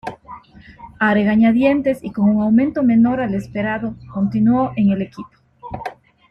A regañadientes y con un aumento menor al esperado, continuó en el equipo.